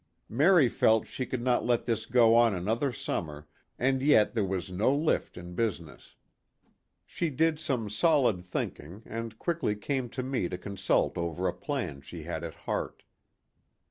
Mary felt she could not let this go on another summer and yet there was no lift in business. She did some solid thinking and quickly came to me to consult over a plan she had at heart.